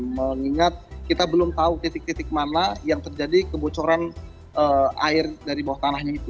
mengingat kita belum tahu titik titik mana yang terjadi kebocoran air dari bawah tanahnya itu